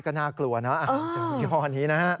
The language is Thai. ก็น่ากลัวนะส่วนยี่ห้อนี้นะครับ